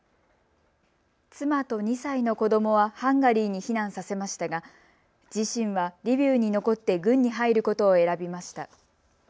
妻と２歳の子どもはハンガリーに避難させましたが自身はリビウに残って軍に入ることを選びました。